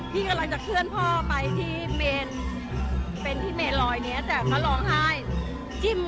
พี่กำลังจะเคลื่อนพ่อไปที่เมนเป็นที่เมนลอยเนี้ยแต่เขาร้องไห้จิ้ม